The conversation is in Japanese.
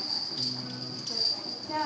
じゃあ。